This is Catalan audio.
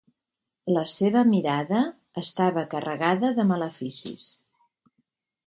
La seva mirada estava carregada de maleficis.